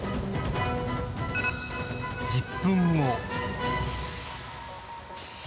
１０分後。